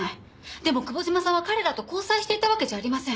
でも久保島さんは彼らと交際していたわけじゃありません。